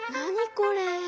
これ。